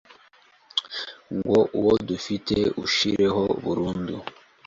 ngo uwodufite ushireho burundu